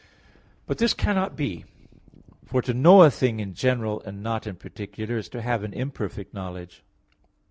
But this cannot be. For to know a thing in general and not in particular, is to have an imperfect knowledge.